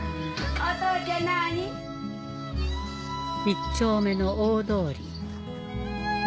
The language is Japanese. ・一丁目の大通り